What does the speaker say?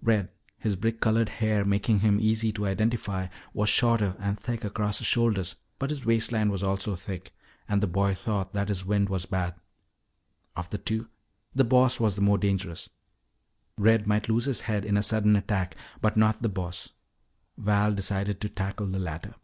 Red, his brick colored hair making him easy to identify, was shorter and thick across the shoulders, but his waistline was also thick and the boy thought that his wind was bad. Of the two, the Boss was the more dangerous. Red might lose his head in a sudden attack, but not the Boss. Val decided to tackle the latter.